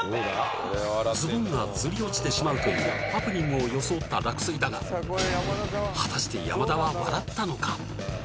ズボンがずり落ちてしまうというハプニングを装った落水だが果たして山田は笑ったのか？